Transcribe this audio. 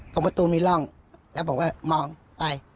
ตรงประตูมีร่องแล้วผมก็มองไป